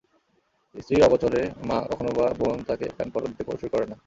স্ত্রীর অগোচরে মা, কখনোবা বোন তাঁকে কানপড়া দিতে কসুর করেন না।